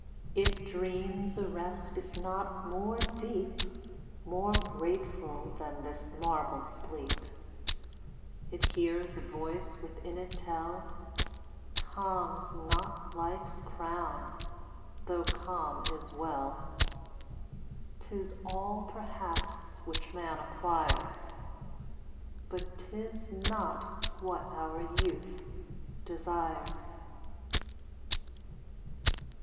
It dreams a rest, if not more deep, More grateful than this marble sleep; It hears a voice within it tell: Calm's not life's crown, though calm is well. 'Tis all perhaps which man acquires, But 'tis not what our youth desires.